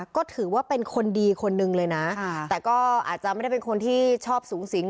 ก็ถือว่าเป็นคนดีคนนึงเลยนะแต่ก็อาจจะไม่ได้เป็นคนที่ชอบสูงสิง